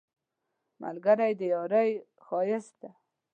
ملګری د یارۍ ښایست دی